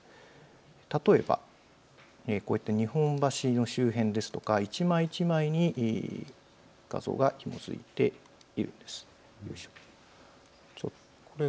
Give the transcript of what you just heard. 例えば日本橋の周辺ですとか一枚一枚に画像がひも付いています。